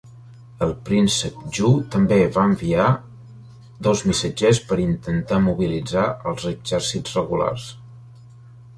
El príncep Ju també va enviar dos missatgers per intentar mobilitzar els exèrcits regulars.